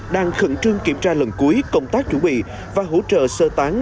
đang khẩn trương kiểm tra lần cuối công tác chuẩn bị và hỗ trợ sơ tán